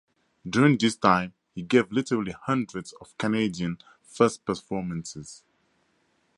During this time he gave "literally hundreds" of Canadian first performances.